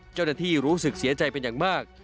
เจ้าหน้าที่รู้สึกเสียใจเป็นอย่างมาก